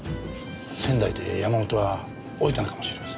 仙台で山本は降りたのかもしれません。